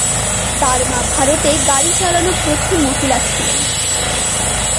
তার মা ভারতে গাড়ী চালানো প্রথম মহিলা ছিলেন।